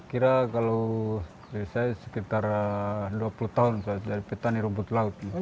kira kalau dari saya sekitar dua puluh tahun saya jadi petani rumput laut